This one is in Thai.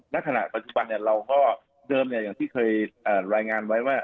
ในขณะปัจจุบันเนี่ยเราก็เดิมเนี่ยอย่างที่เคยรายงานไว้ว่า